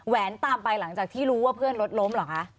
แวนตามไปหลังจากที่รู้ว่าเพื่อนรถล้มเหรอคะ